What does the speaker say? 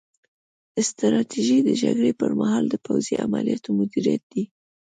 ستراتیژي د جګړې پر مهال د پوځي عملیاتو مدیریت دی